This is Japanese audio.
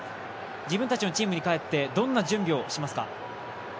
自分たちのチームに帰ってどんな準備をしますか。